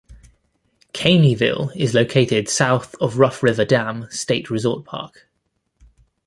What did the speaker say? Caneyville is located south of Rough River Dam State Resort Park.